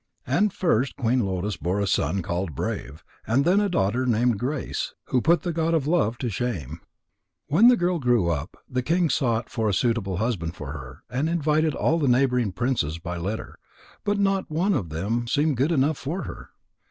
And first Queen Lotus bore a son called Brave, and then a daughter named Grace who put the god of love to shame. When the girl grew up, the king sought for a suitable husband for her, and invited all the neighbouring princes by letter, but not one of them seemed good enough for her.